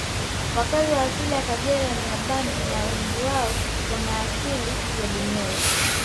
Wakazi wa asili ya Kagera ni wabantu na wengi wao wanaasili ya Bunyoro